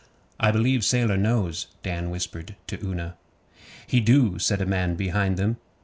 'I believe Sailor knows,' Dan whispered to Una. 'He do,' said a man behind them.